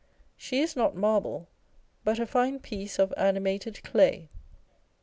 She is not marble, but a fine piece of animated clay.